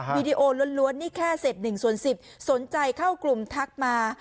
วีดีโอล้วนนี่แค่เศษ๑ส่วน๑๐สนใจเข้ากลุ่มทักมา